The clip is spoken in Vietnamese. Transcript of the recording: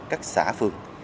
các xã phương